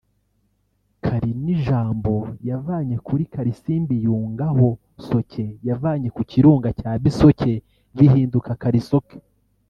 Kali ni ijambo yavanye kuri Kalisimbi yungaho Soke yavanye ku Kirunga cya Bisoke bihinduka Kalisoke